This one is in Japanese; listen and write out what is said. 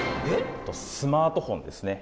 スマートフォンですね。